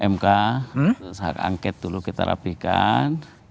mk angket dulu kita rapihkan